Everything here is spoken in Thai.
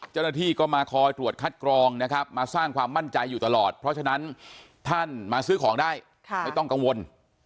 เจ้าหน้าที่ก็มาคอยตรวจคัดกรองนะครับมาสร้างความมั่นใจอยู่ตลอดเพราะฉะนั้นท่านมาซื้อของได้ไม่ต้องกังวล